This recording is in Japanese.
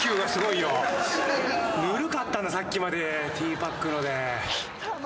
ぬるかったんださっきまでティーパックので。